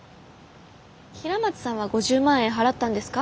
平松さんは５０万円払ったんですか？